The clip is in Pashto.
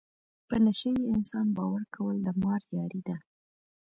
په نشه یې انسان باور کول د مار یاري ده.